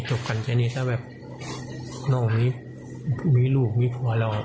จบกันแค่นี้จะแบบมีลูกไม่เปลี่ยนของเรา